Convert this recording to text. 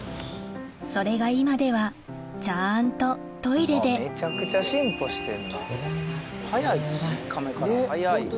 それが今ではちゃんとトイレで偉いな偉い偉い。